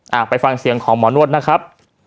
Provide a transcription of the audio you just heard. ไปฟังเสียงของหมอนวดนะครับ